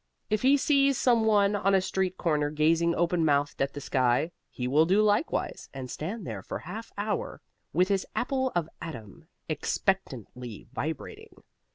If he sees some one on a street corner gazing open mouthed at the sky, he will do likewise, and stand there for half hour with his apple of Adam expectantly vibrating.